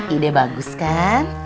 ide bagus kan